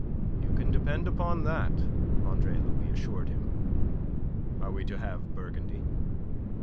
"You can depend upon that," Andre Louis assured him. "Are we to have Burgundy?"